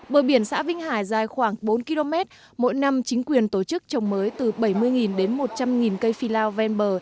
bờ biển xã vĩnh hải dài khoảng bốn km mỗi năm chính quyền tổ chức trồng mới từ bảy mươi đến một trăm linh cây phi lao ven bờ